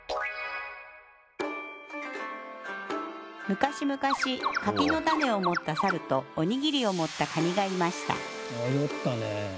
昔々柿の種を持ったサルとおにぎりを持ったカニがいました。